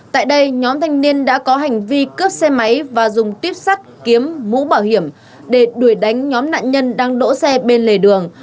tại đây nhóm thanh niên đã có hành vi cướp xe máy và dùng tuyếp sắt kiếm mũ bảo hiểm để đuổi đánh nhóm nạn nhân đang đỗ xe bên lề đường